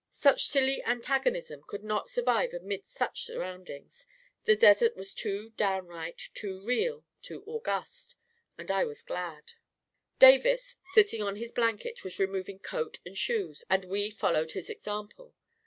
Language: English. Such silly antagonism n6 A KING IN BABYLON could not survive amid such surroundings — the desert was too downright, too real, too august. And I was glad Davis, sitting on his blanket, was removing coat and shoes, and. we followed his example.